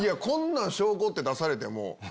こんなん証拠って出されても。